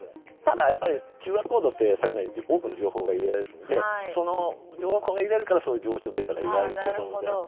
ただやっぱりＱＲコードって先ほどから言ってるように多くの情報が入れられるんでその情報が入れられるからそういう冗長データが入れられるということで。